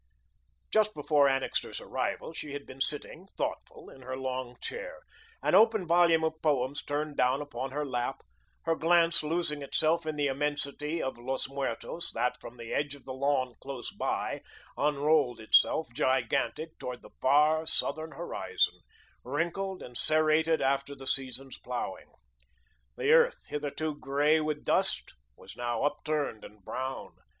Just before Annixter's arrival, she had been sitting, thoughtful, in her long chair, an open volume of poems turned down upon her lap, her glance losing itself in the immensity of Los Muertos that, from the edge of the lawn close by, unrolled itself, gigantic, toward the far, southern horizon, wrinkled and serrated after the season's ploughing. The earth, hitherto grey with dust, was now upturned and brown.